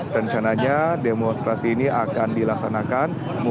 dan rencananya demonstrasi ini akan dilaksanakan